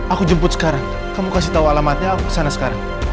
aku jemput sekarang kamu kasih tahu alamatnya aku kesana sekarang